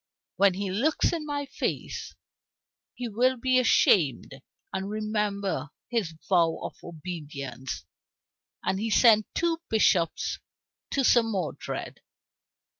When he looks in my face, he will be ashamed and remember his vow of obedience." And he sent two bishops to Sir Modred.